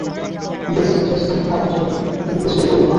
ব্যথিতমুখে হাবলু চলে গেল, কুমু কিছুই বললে না।